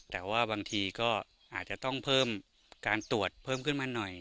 แต่ว่าบางทีก็อาจจะต้องเพิ่มการตรวจเพิ่มขึ้นมาหน่อย